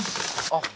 あっ